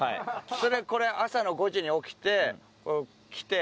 それで朝の５時に起きて来て。